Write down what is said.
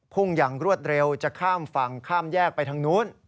อย่างรวดเร็วจะข้ามฝั่งข้ามแยกไปทางนู้น